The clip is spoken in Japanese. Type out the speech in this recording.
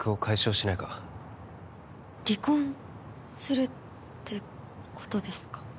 離婚するってことですか？